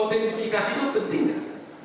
identifikasi itu penting tidak